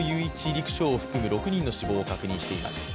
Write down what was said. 陸将を含む６人の死亡を確認しています。